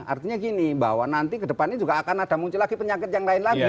artinya gini bahwa nanti kedepannya juga akan ada muncul lagi penyakit yang lain lagi